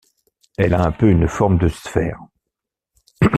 Elle a un peu une forme de sphère.